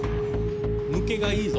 抜けがいいぞ。